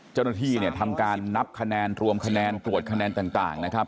เจ้าหน้าที่เนี่ยทำการนับคะแนนรวมคะแนนตรวจคะแนนต่างนะครับ